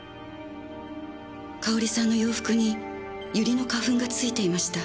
かおりさんの洋服にユリの花粉が付いていました。